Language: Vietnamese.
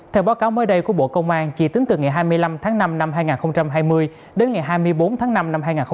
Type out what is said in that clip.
theo báo cáo mới đây của bộ công an chỉ tính từ ngày hai mươi năm tháng năm năm hai nghìn hai mươi đến ngày hai mươi bốn tháng năm năm hai nghìn hai mươi